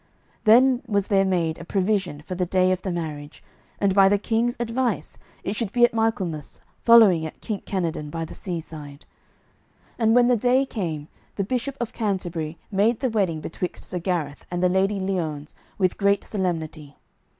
Then was there made a provision for the day of marriage, and by the King's advice it should be at Michaelmas following at Kink Kenadon by the seaside. And when the day came the Bishop of Canterbury made the wedding betwixt Sir Gareth and the Lady Liones with great solemnity.